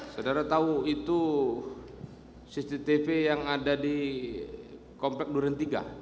saudara tahu itu cctv yang ada di komplek duren tiga